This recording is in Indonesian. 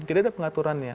tidak ada pengaturannya